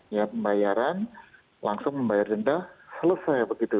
ya pembayaran langsung membayar denda selesai begitu